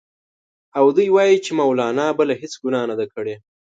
او دوی وايي چې مولنا بله هېڅ ګناه نه ده کړې.